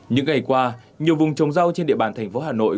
những ngày qua nhiều vùng trồng rau trên địa bàn thành phố hà nội